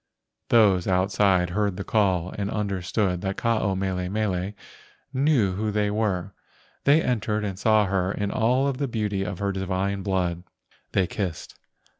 Those outside heard the call and understood that Ke ao mele mele knew who they were. They entered and saw her in all the beauty of her high divine blood. They kissed.